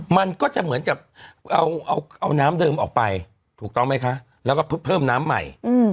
มันก็จะเหมือนกับเอาน้ำเดิมออกไปถูกต้องไหมคะแล้วก็เพื่อเพิ่มน้ำใหม่